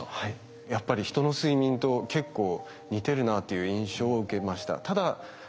やっぱり人の睡眠と結構似てるなという印象を受けました。